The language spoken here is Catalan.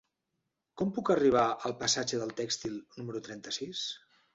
Com puc arribar al passatge del Tèxtil número trenta-sis?